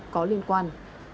có liên quan